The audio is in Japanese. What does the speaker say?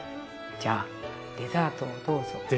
じゃデザートをどうぞ。